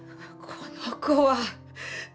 この子はっ。